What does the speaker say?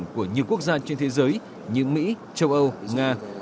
tiêu chuẩn của nhiều quốc gia trên thế giới như mỹ châu âu nga